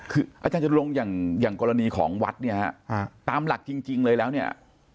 คืออาจารย์จะลงอย่างกรณีของวัดเนี่ยฮะตามหลักจริงเลยแล้วเนี่ย